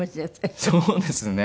そうですね。